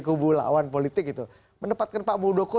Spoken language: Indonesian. kubu lawan politik itu menempatkan pak muldoko